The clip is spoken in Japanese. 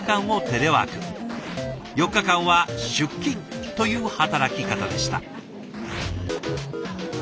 ４日間は出勤という働き方でした。